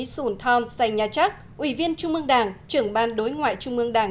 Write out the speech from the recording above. sùn thon xanh nha trắc ủy viên trung ương đảng trưởng ban đối ngoại trung ương đảng